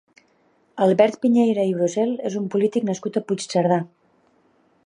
Albert Piñeira i Brosel és un polític nascut a Puigcerdà.